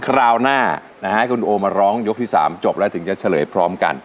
คราวหน้าให้คุณโอมาร้องยกที่๓จบแล้วถึงจะเฉลยพร้อมกัน